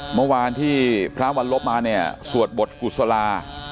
เมื่อวานที่พระวันลบมาเนี่ยสวดบทกุศลา